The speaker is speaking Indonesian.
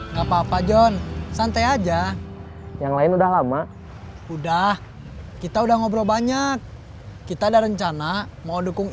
nggak apa apa john santai aja yang lain udah lama udah kita udah ngobrol banyak kita ada rencana mau dukung